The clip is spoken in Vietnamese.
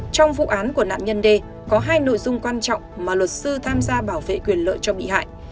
trong vụ án của nạn nhân d có hai nội dung quan trọng mà luật sư tham gia bảo vệ quyền lợi cho bị hại